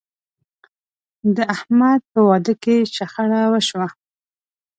د احمد په واده کې شخړه وشوه.